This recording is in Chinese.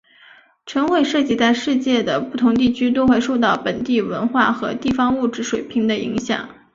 展会设计在世界的不同地区都会受到本地文化和地方物质水平的影响。